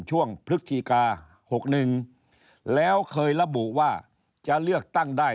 ช่วงพฤษิกา๖หนึ่งแล้วเคยระบุว่าจะเลือกตั้งได้